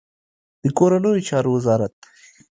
د کورنیو چارو وزارت